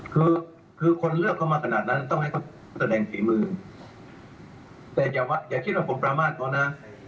คือคือคนเลือกเข้ามาขนาดนั้นต้องให้เขาแสดงฝีมือแต่อย่าคิดว่าผมประมาทเขานะ